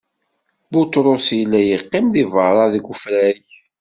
Buṭrus illa yeqqim di beṛṛa, deg ufrag.